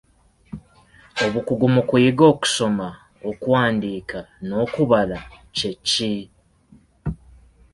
Obukugu mu kuyiga okusoma, okuwandiika n'okubala kye ki?